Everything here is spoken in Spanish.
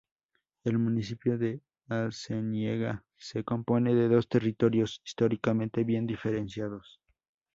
El municipio de Arceniega se compone de dos territorios históricamente bien diferenciados.